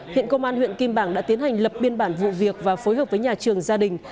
hiện công an huyện kim bảng đã tiến hành lập biên bản vụ việc và phối hợp với nhà trường gia đình